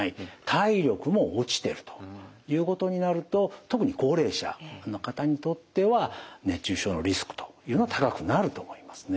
体力も落ちてるということになると特に高齢者の方にとっては熱中症のリスクというのは高くなると思いますね。